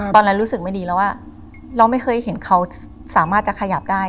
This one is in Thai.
รู้สึกไม่ดีแล้วว่าเราไม่เคยเห็นเขาสามารถจะขยับได้